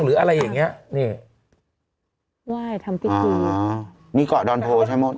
หรืออะไรอย่างเงี้ยนี่ไหว้ทำที่ฮึอนี่เกาะใช่มั้ย